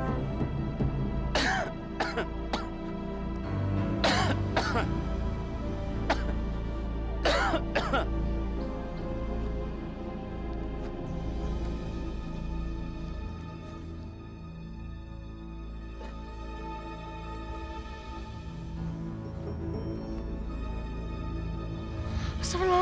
abah berangkat dulu